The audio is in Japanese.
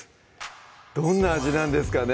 どんな味なんですかね？